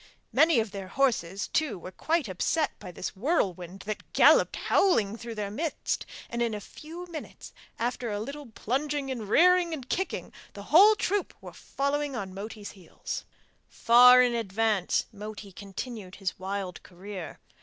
Many of their horses too were quite upset by this whirlwind that galloped howling through their midst, and in a few minutes, after a little plunging and rearing and kicking, the whole troop were following on Moti's heels. Far in advance, Moti continued his wild career.